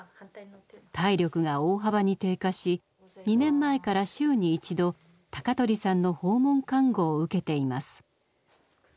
体力が大幅に低下し２年前から週に１度高取さんの訪問看護を受けています。